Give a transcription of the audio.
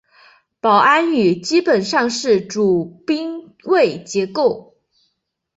保安语基本上是主宾谓结构。